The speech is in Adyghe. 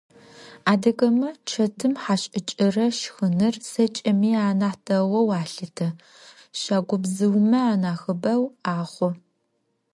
Адыгэмэ чэтым хашӏыкӏырэ шхыныр зэкӏэми анахь дэгъоу алъытэ, щагубзыумэ анахьыбэу ахъу.